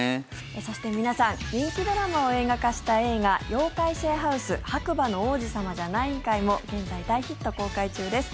そして、皆さん人気ドラマを映画化した「映画妖怪シェアハウス−白馬の王子様じゃないん怪−」も現在、大ヒット公開中です。